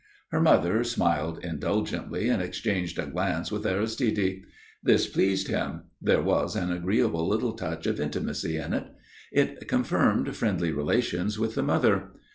Her mother smiled indulgently and exchanged a glance with Aristide. This pleased him; there was an agreeable little touch of intimacy in it. It confirmed friendly relations with the mother.